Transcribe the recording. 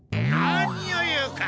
何を言うか！